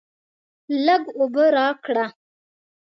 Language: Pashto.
لږ اوبه راکړه.